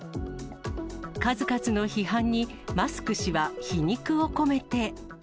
数々の批判にマスク氏は皮肉を込めて。